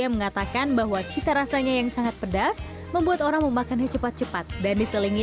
yang mengatakan bahwa cita rasanya yang sangat pedas membuat orang memakannya cepat cepat dan diselingi